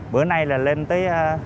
bữa nay là lên tới tám